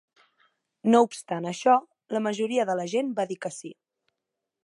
No obstant això, la majoria de la gent va dir que sí.